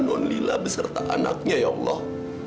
tolong selamatkan nondila ya allah